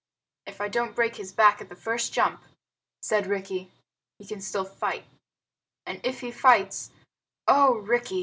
"If I don't break his back at the first jump," said Rikki, "he can still fight. And if he fights O Rikki!"